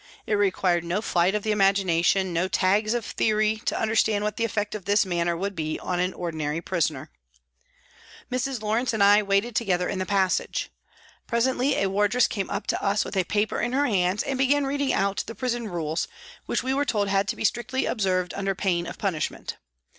It required no flight of the imagination, no tags of theory, to understand what the effect of this manner would be on an ordinary prisoner. Mrs. Lawrence and I waited together in the passage. Presently a wardress came up to us with a paper in her hand and began reading out the prison rules, which we were told had to be strictly observed under pain of punishment.